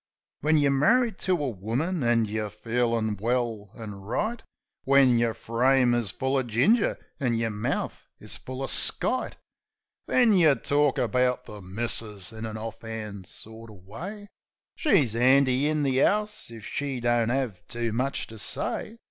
When yer marri'd to a woman an' yer feelin' well an right ; When yer frame is full uv ginger an' yer mouth is full uv skite, Then yeh tork about the "missus" in an 'orf'and sort uv way; She's 'andy in the 'ouse if she don't 'ave too much to say.